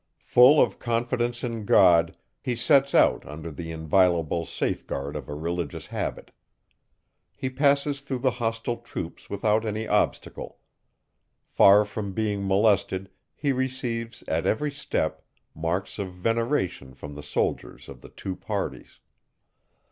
Full of confidence in God, he sets out under the inviolable safeguard of a religious habit. He passes through the hostile troops without any obstacle; far from being molested, he receives, at every step, marks of veneration from the soldiers of the two parties.